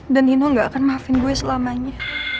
dan nino gak akan maafin gue selamanya